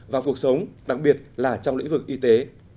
vào cuộc sống đặc biệt là trong lĩnh vực y tế